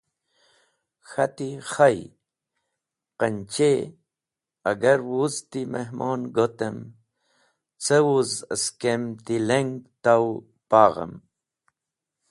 K̃hati: Khay, qanchey, agar wuz ti mehmon gotem ce, wuz askem ti leng taw paghem.